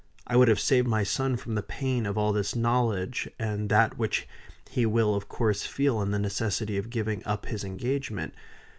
I would have saved my son from the pain of all this knowledge, and that which he will of course feel in the necessity of giving up his engagement.